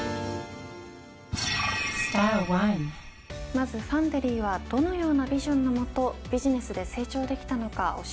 まずファンデリーはどのようなビジョンの下ビジネスで成長できたのか教えてください。